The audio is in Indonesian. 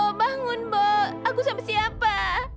mbok bangun mbok aku sama siapa